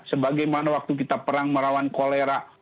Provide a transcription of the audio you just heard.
sebagaimana waktu kita perang melawan kolera